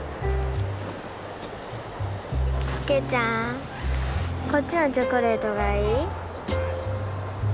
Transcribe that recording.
啓ちゃんこっちのチョコレートがいい？